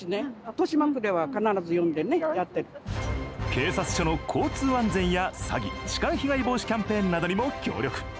警察署の交通安全や詐欺・痴漢被害防止キャンペーンなどにも協力。